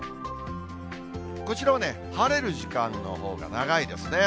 こちらは、晴れる時間のほうが長いですね。